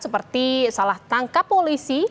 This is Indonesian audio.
seperti salah tangkap polisi